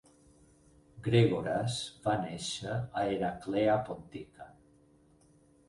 Gregoras va néixer a Heraclea Pontica.